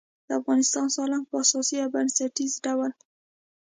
د افغانستان سالنګ په اساسي او بنسټیز ډول